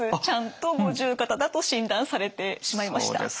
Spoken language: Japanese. ちゃんと五十肩だと診断されてしまいました。